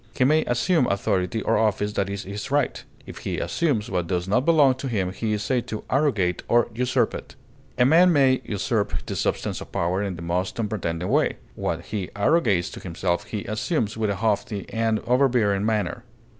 He may assume authority or office that is his right; if he assumes what does not belong to him, he is said to arrogate or usurp it. A man may usurp the substance of power in the most unpretending way; what he arrogates to himself he assumes with a haughty and overbearing manner.